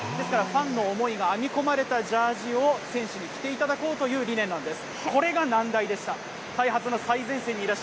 ですからファンの思いが編み込まれたジャージを選手に着ていただこうという理念なんです。